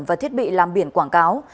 và thiết bị làm biển quảng cáo